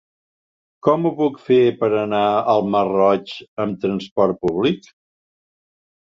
Com ho puc fer per anar al Masroig amb trasport públic?